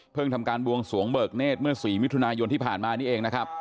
ทำการบวงสวงเบิกเนธเมื่อ๔มิถุนายนที่ผ่านมานี่เองนะครับ